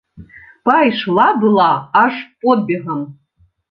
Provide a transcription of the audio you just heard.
Пайшла была аж подбегам.